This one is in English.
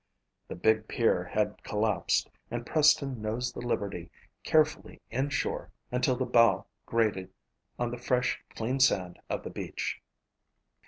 The big pier had collapsed and Preston nosed the Liberty carefully in shore until the bow grated on the fresh, clean sand of the beach.